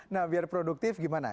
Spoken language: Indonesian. nah biar produktif gimana